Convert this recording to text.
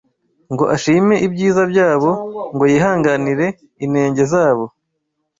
ngo ashime ibyiza byabo, ngo yihanganire inenge zabo